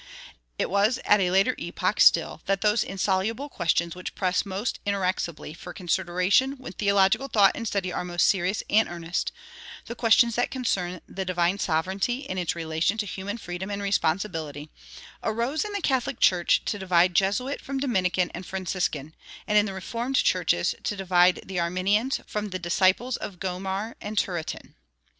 It was at a later epoch still that those insoluble questions which press most inexorably for consideration when theological thought and study are most serious and earnest the questions that concern the divine sovereignty in its relation to human freedom and responsibility arose in the Catholic Church to divide Jesuit from Dominican and Franciscan, and in the Reformed churches to divide the Arminians from the disciples of Gomar and Turretin.